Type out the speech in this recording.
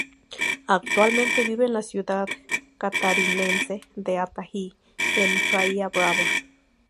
Actualmente vive en la ciudad catarinense de Itajaí, en Praia Brava.